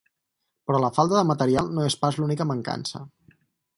Però la falta de material no és pas l’única mancança.